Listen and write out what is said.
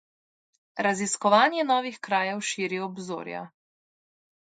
Raziskovanje novih krajev širi obzorja.